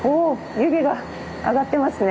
湯気が上がってますね。